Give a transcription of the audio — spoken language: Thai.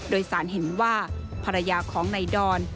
โดยสารเห็นว่าภรรยาของนายดอน